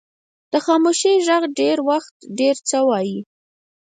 د خاموشۍ ږغ ډېر وخت ډیر څه وایي.